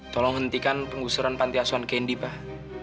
tolong hentikan pengusuran panti asuhan kandi pak